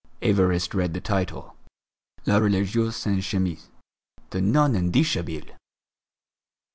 Évariste read the title: "La Religieuse en chemise," "The Nun in dishabille!"